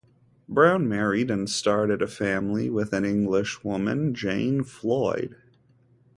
Brown married and started a family with an English woman, Jane Floyd.